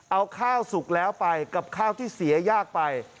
เอาข้าวสุกแล้วไปกับข้าวที่เสียยากไป